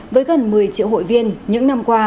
với gần một mươi triệu hội viên những năm qua